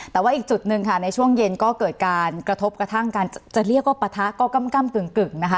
แต่ว่าอีกจุดหนึ่งค่ะในช่วงเย็นก็เกิดการกระทบกระทั่งการจะเรียกว่าปะทะก็กำกึ่งนะคะ